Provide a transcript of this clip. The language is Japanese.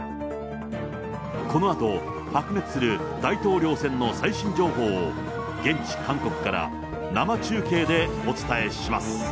このあと、白熱する大統領選の最新情報を、現地韓国から生中継でお伝えします。